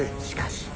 しかし。